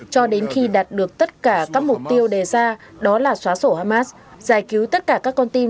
cho đến khi đạt được tất cả các mục tiêu đề ra đó là xóa sổ hamas giải cứu tất cả các con tin